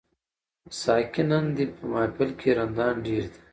ساقي نن دي په محفل کي رندان ډیر دي